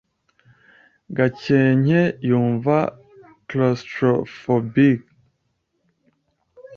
Gakenke yumva claustrophobic.